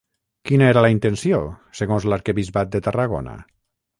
Quina era la intenció segons l'Arquebisbat de Tarragona?